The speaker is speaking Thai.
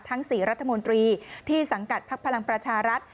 ทั้ง๔รัฐมนตรีที่สังกัดพักพลังประชารัฐ